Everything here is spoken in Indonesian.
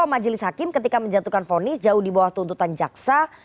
majelis hakim ketika menjatuhkan fonis jauh di bawah tuntutan jaksa